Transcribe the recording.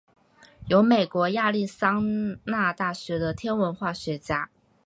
由美国亚利桑那大学的天文化学家。